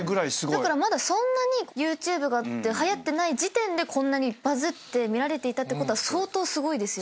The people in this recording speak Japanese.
だからまだそんなにＹｏｕＴｕｂｅがはやってない時点でこんなにバズって見られていたってことは相当すごいですよね。